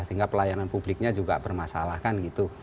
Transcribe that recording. sehingga pelayanan publiknya juga bermasalah kan gitu